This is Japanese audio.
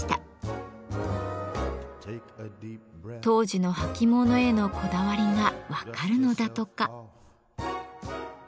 当時の履物へのこだわりが分かるのだとか。